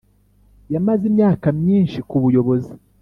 Yamaze imyaka myinshi ku buyobozi